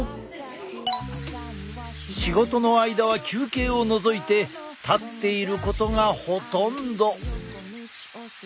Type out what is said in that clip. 仕事の間は休憩を除いて立っていることがほとんど。